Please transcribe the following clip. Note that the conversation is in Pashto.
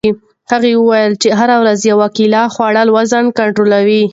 هغه وویل چې هره ورځ یوه کیله خوړل وزن کنټرولوي.